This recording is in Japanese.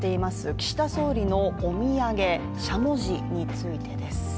岸田総理のお土産、しゃもじについてです。